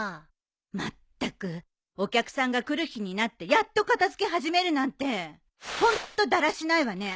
まったくお客さんが来る日になってやっと片付け始めるなんてホントだらしないわね。